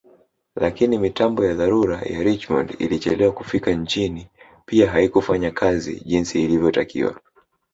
Lakini mitambo ya dharura ya Richmond ilichelewa kufika nchini pia haikufanya kazi jinsi ilivyotakiwa